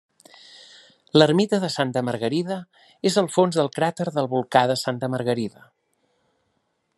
L'ermita de Santa Margarida és al fons del cràter del volcà de Santa Margarida.